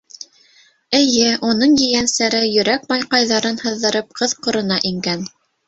Эйе, уның ейәнсәре йөрәк майҡайҙарын һыҙҙырып ҡыҙ ҡорона ингән...